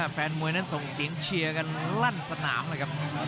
แฟนมวยนั้นส่งเสียงเชียร์กันลั่นสนามเลยครับ